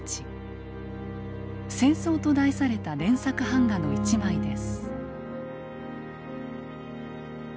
「戦争」と題された連作版画の一枚です。